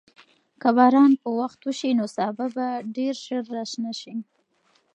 که باران په وخت وشي، نو سابه به ډېر ژر راشنه شي.